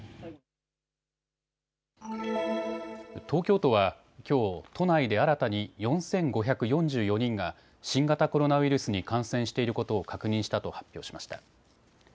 東京都はきょう、都内で新たに４５４４人が、新型コロナウイルスに感染していることを確認したと発表しました。